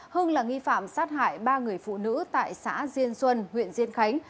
hưng là nghi phạm sát hại ba người phụ nữ tại xã diên xuân huyện diên khánh